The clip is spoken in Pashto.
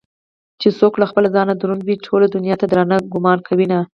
چې څوك له خپله ځانه دروندوي ټولې دنياته ددراندۀ ګومان كوينه